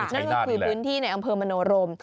นั่นก็คือพื้นที่ในอำเภอมโนรม